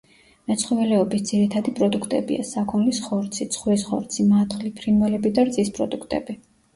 მეცხოველეობის ძირითადი პროდუქტებია: საქონლის ხორცი, ცხვრის ხორცი, მატყლი, ფრინველები და რძის პროდუქტები.